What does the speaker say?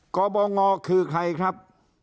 กบงคือใครครับ